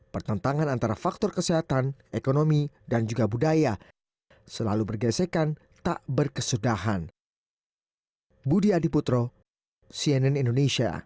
pertentangan antara faktor kesehatan ekonomi dan juga budaya selalu bergesekan tak berkesudahan